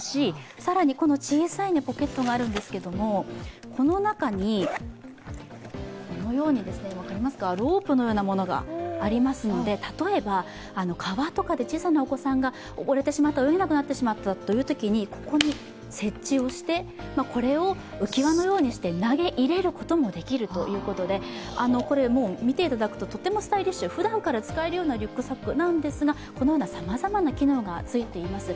更に小さいポケットがあるんですけれども、この中に、このようにロープのようなものがありますので例えば川とかで小さなお子さんが溺れてしまった、泳げなくなってしまったというときにここに設置をして、これを浮き輪のようにして投げ入れることもできるということで、見ていただくと、とてもスタイリッシュふだんから使えるようなリュックサックなんですがこのようなさまざまな機能がついています。